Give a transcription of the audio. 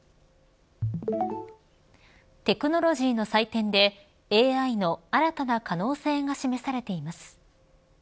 テクノロジーの祭典でＡＩの新たな可能性が示されています。